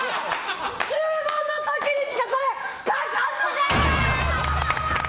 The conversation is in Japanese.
注文の時にしか書かんのじゃ！